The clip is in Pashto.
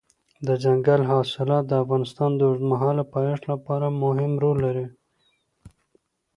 دځنګل حاصلات د افغانستان د اوږدمهاله پایښت لپاره مهم رول لري.